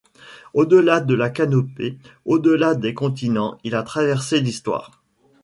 Au-delà de la canopée, au-delà des continents, il a traversé l’Histoire.